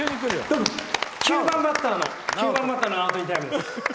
９番バッターのナオト・インティライミです。